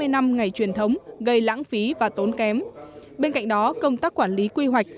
hai mươi năm ngày truyền thống gây lãng phí và tốn kém bên cạnh đó công tác quản lý quy hoạch